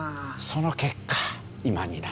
その結果今になる。